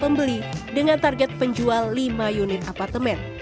pembeli dengan target penjual lima unit apartemen